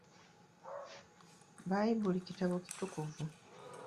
Bbayibuli kitabo kitukuvu.